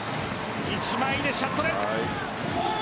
１枚でシャットです。